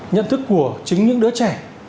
nhận thức của chính những đứa trẻ